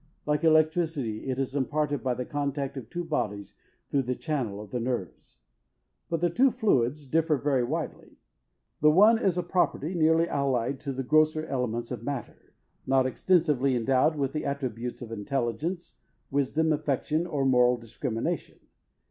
Like electricity, it is imparted by the contact of two bodies, through the channel of the nerves. But the two fluids differ very widely. The one is a property nearly allied to the grosser elements of matter; not extensively endowed with the attributes of intelligence, wisdom, affection, or moral discrimination.